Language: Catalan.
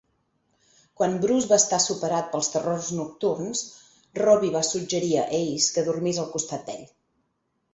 Quan Bruce va estar superat pels terrors nocturns, Robin va suggerir a Ace que dormís al costat d'ell.